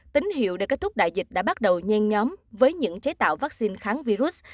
tín hiệu để kết thúc đại dịch đã bắt đầu nhen nhóm với những chế tạo vaccine kháng virus